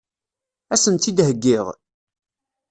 Ad sen-tt-id-heggiɣ?